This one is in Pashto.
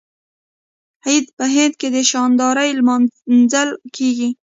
عید په هند کې په شاندارۍ لمانځل کیږي.